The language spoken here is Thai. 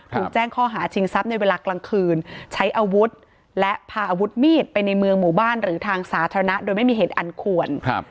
ถูกแจ้งข้อหาชิงทรัพย์ในเวลากลางคืนใช้อาวุธและพาอาวุธมีดไปในเมืองหมู่บ้านหรือทางสาธารณะโดยไม่มีเหตุอันควร